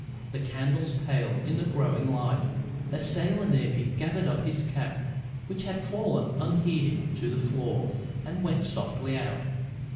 The candles paled in the growing light. A sailor near me gathered up his cap, which had fallen unheeded to the floor, and went softly out.